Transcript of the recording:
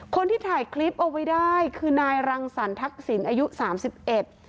คนที่ถ่ายคลิปเอาไว้ได้คือนายรังสรรทักษิณอายุสามสิบเอ็ด